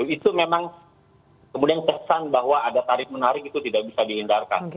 itu memang kemudian kesan bahwa ada tarif menarik itu tidak bisa dihindarkan